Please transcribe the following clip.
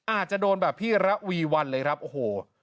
อาจจะโดนแบบพี่ระวีวันเลยครับโอ้โห